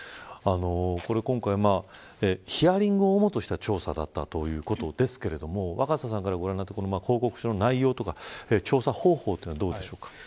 今回、ヒアリングを主とした調査だったということですが若狭さんからご覧になって報告書の内容とか調査方法とかはどうでしょうか。